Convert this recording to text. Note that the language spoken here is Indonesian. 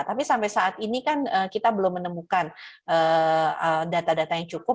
tapi sampai saat ini kan kita belum menemukan data data yang cukup